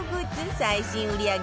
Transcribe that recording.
最新売り上げ